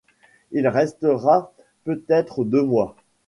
Il restera peut-être deux mois.